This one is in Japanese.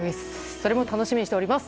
それも楽しみにしております。